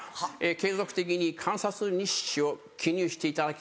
継続的に観察日誌を記入していただき」。